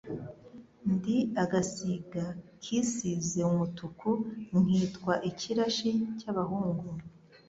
Ndi agasiga kisize umutuku, Nkitwa ikirashi cy'abahungu,